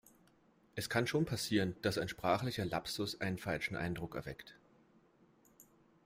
Es kann schon passieren, dass ein sprachlicher Lapsus einen falschen Eindruck erweckt.